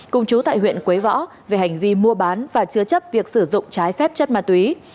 cùng chú tại huyện quế võ về hành vi mua bán và chứa chấp việc sử dụng trái phép chất ma túy